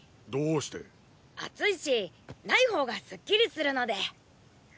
暑いしない方がスッキリするので。